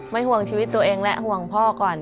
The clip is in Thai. ห่วงชีวิตตัวเองและห่วงพ่อก่อน